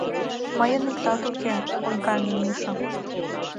Мыйын иктат уке... — ойгаҥе Миша.